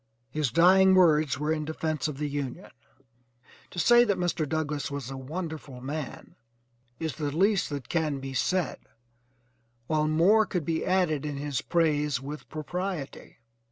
His dying words were in defence of the Union. To say that Mr. Douglass was a wonderful man is the least that can be said, while more could be added in his praise with propriety.